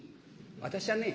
私はね